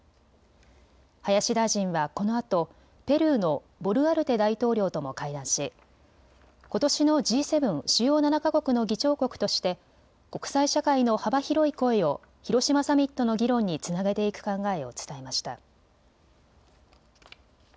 林大臣はこのあとペルーのボルアルテ大統領とも会談しことしのＧ７・主要７か国の議長国として国際社会の幅広い声を広島サミットの議論につなげていく考えを伝えました。